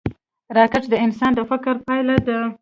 راکټ د انسان د فکر پایله ده